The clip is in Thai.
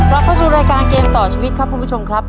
เราเข้าสู่รายการเกมต่อชีวิตครับคุณผู้ชมครับ